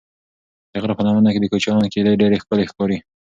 د غره په لمنه کې د کوچیانو کيږدۍ ډېرې ښکلي ښکاري.